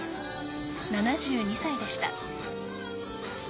７２歳でした。